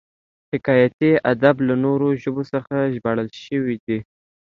حکایتي ادب له نورو ژبو څخه ژباړل شوی دی